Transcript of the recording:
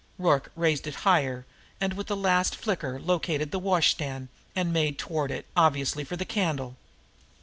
Rorke raised it higher, and with the last flicker located the washstand, and made toward it, obviously for the candle.